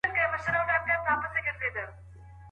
لکه سفر نه هېره شوې بېړۍ